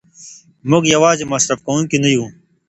موږ یوازې مصرف کوونکي نه یو.